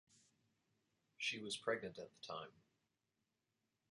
She was pregnant at the time.